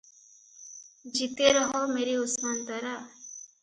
ଜିତେ ରହ ମେରି ଉସ୍ମାନ୍ ତାରା!